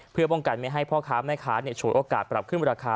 เพื่อป้องกันไม่ให้พ่อค้าแม่ค้าฉวยโอกาสปรับขึ้นราคา